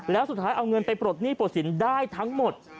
แล้วสุดท้ายเอาเงินไปปลดหนี้ปลดสินได้ทั้งหมด